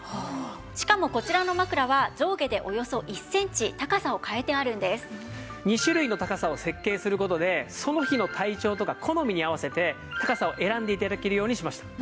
しかもこちらの枕は２種類の高さを設計する事でその日の体調とか好みに合わせて高さを選んで頂けるようにしました。